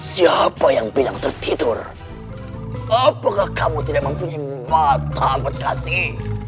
siapa yang bilang tertidur apakah kamu tidak mempunyai mata bekasih